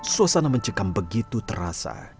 suasana mencekam begitu terasa